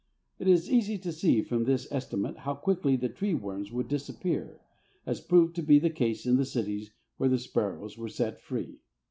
It is easy to see from this estimate how quickly the tree worms would disappear, as proved to be the case in the cities where the sparrows were set free.